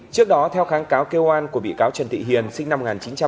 trước đó theo kháng cáo kêu an của bị cáo trần thị hiền sinh năm một nghìn chín trăm tám mươi